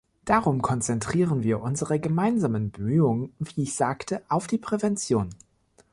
Darum konzentrieren wir unsere gemeinsamen Bemühungen, wie ich sagte, auf die Prävention.